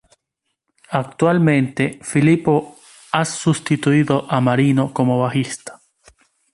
Actualmente Filipo ha sustituido a Marino como bajista.